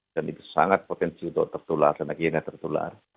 dan itu sangat potensi untuk tertular dan akhirnya tertular